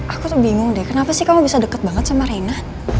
aku tuh bingung deh kenapa sih kamu bisa deket banget sama reina